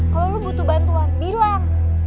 kalau lo butuh bantuan bilang